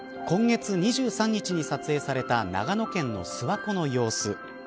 今月２３日に撮影された長野県の諏訪湖の様子。